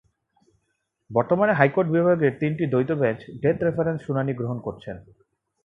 বর্তমানে হাইকোর্ট বিভাগের তিনটি দ্বৈত বেঞ্চ ডেথ রেফারেন্স শুনানি গ্রহণ করছেন।